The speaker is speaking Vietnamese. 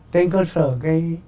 trên cơ sở cái